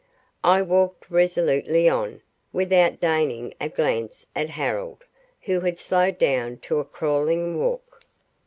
I walked resolutely on, without deigning a glance at Harold, who had slowed down to a crawling walk.